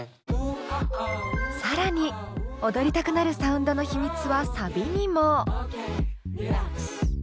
更に踊りたくなるサウンドの秘密はサビにも。